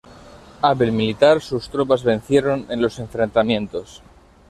Hábil militar, sus tropas vencieron en los enfrentamientos.